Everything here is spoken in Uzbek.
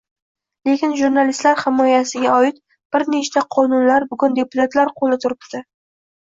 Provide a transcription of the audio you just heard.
Lekin jurnalistlar himoyasiga oid bir nechta qonunlar bugun deputatlar qo‘lida turibdi.